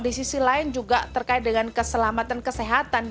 di sisi lain juga terkait dengan keselamatan kesehatan